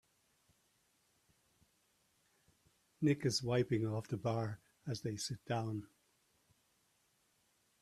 Nick is wiping off the bar as they sit down.